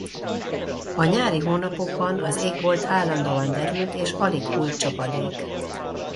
A nyári hónapokban az égbolt állandóan derült és alig hull csapadék.